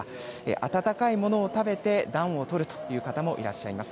温かいものを食べて暖をとるという方もいらっしゃいます。